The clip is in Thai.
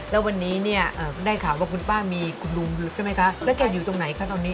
แล้ววันนี้เนี่ยได้ข่าวว่าคุณป้ามีคุณลุงใช่ไหมคะแล้วแกอยู่ตรงไหนคะตอนนี้